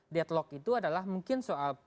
deadlock itu adalah mungkin soal